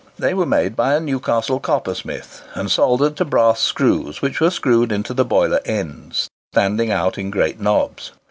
They were made by a Newcastle coppersmith, and soldered to brass screws which were screwed into the boiler ends, standing out in great knobs.